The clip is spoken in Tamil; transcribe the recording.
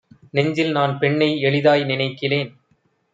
நெஞ்சில்நான் பெண்ணை எளிதாய் நினைக்கிலேன்.